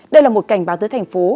đây là một cảnh báo tới thành phố